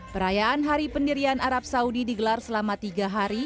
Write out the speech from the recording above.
perayaan hari pendirian arab saudi digelar selama tiga hari